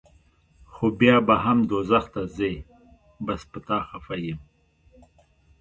خو بیا به هم دوزخ ته ځې بس پۀ تا خفه يم